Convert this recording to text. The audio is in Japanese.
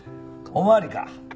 お巡りか。